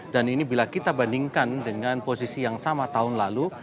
dan ini bila kita bandingkan dengan posisi yang sama tahun lalu